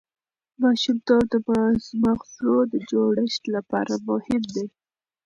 ماشومتوب د ماغزو د جوړښت لپاره مهم دی.